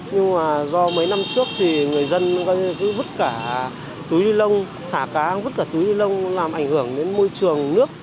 nhưng do mấy năm trước thì người dân cứ vứt cả túi đi lông thả cá vứt cả túi đi lông làm ảnh hưởng đến môi trường nước